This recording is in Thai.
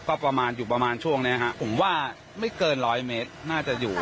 ก็ประมาณอยู่ประมาณช่วงเนี้ยฮะผมว่าไม่เกินร้อยเมตรน่าจะอยู่